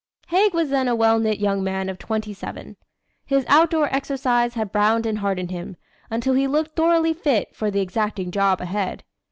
Haig was then a well knit young man of twenty seven. His outdoor exercise had browned and hardened him, until he looked thoroughly fit for the exacting job ahead.